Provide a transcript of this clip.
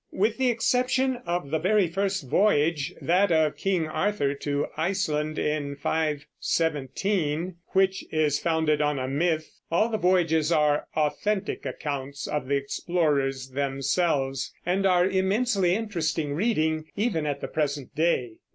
With the exception of the very first voyage, that of King Arthur to Iceland in 517, which is founded on a myth, all the voyages are authentic accounts of the explorers themselves, and are immensely interesting reading even at the present day.